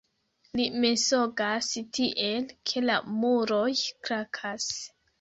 Li mensogas tiel, ke la muroj krakas.